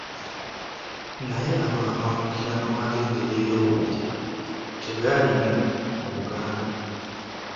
Naye ago amawemukirano ag'engeri ey'okubiri tegaalimu mu Buganda.